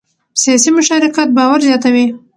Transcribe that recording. سیاسي مشارکت باور زیاتوي